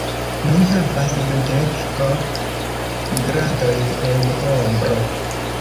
Ni havas dudek-ok gradojn en ombro!